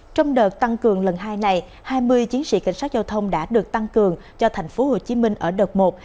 trong đợt tăng cường lần hai này hai mươi chiến sĩ cảnh sát giao thông đã được tăng cường cho tp hcm ở đợt một